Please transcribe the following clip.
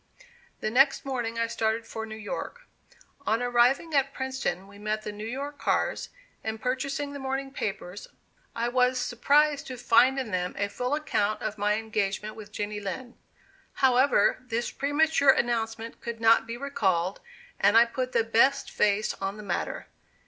The next morning I started for New York. On arriving at Princeton we met the New York cars, and purchasing the morning papers, I was surprised to find in them a full account of my engagement with Jenny Lind. However, this premature announcement could not be recalled, and I put the best face on the matter.